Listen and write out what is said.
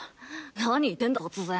何言ってんだ突然。